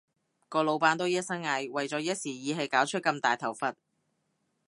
個老闆都一身蟻，為咗一時意氣搞出咁大頭佛